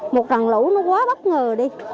một rằn lũ nó quá bất ngờ đi